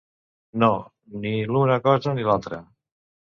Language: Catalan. No, ni l’una cosa ni l’altra.